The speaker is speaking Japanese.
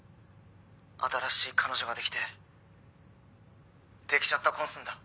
「新しい彼女ができてできちゃった婚すんだ」